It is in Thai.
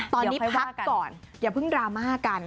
ตอนนี้พักก่อนอย่าเพิ่งดราม่ากัน